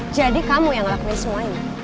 jadi kamu yang ngelakuin semuanya